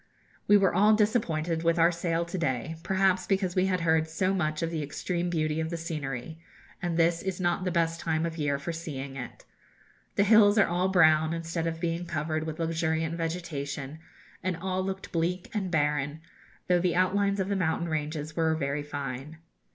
We were all disappointed with our sail to day; perhaps because we had heard so much of the extreme beauty of the scenery, and this is not the best time of year for seeing it. The hills are all brown, instead of being covered with luxuriant vegetation, and all looked bleak and barren, though the outlines of the mountain ranges were very fine.